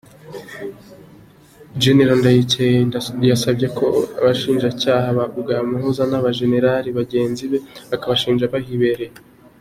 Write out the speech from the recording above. Gen Ndayirukiye yasabye ko ubushinjacyaha bwamuhuza n’abo bajenerali bagenzi be akabashinja bahibereye!